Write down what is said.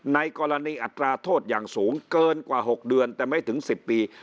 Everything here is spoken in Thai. ในกรณีอัตราโทษอย่างสูงเกินกว่า๖เดือนแต่ไม่ถึง๑๐ปี